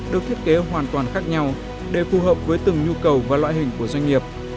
được thiết kế hoàn toàn khác nhau để phù hợp với từng nhu cầu và loại hình của doanh nghiệp